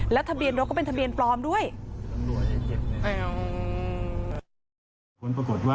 ทะเบียนรถก็เป็นทะเบียนปลอมด้วย